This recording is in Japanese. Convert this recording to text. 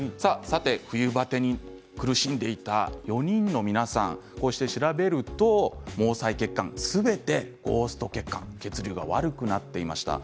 冬バテに苦しんでいた４人の皆さん、調べると毛細血管すべてゴースト血管、血流が悪くなっていました。